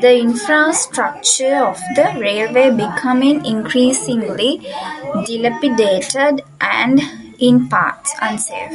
The infrastructure of the railway becoming increasingly dilapidated and, in parts, unsafe.